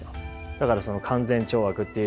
だから勧善懲悪っていう